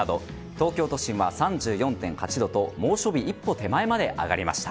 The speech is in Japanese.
東京都心は３４．８度と猛暑日一歩手前まで上がりました。